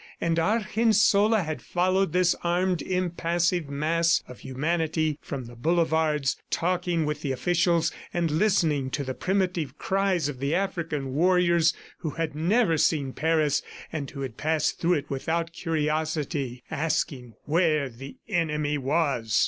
... And Argensola had followed this armed, impassive mass of humanity from the boulevards, talking with the officials, and listening to the primitive cries of the African warriors who had never seen Paris, and who passed through it without curiosity, asking where the enemy was.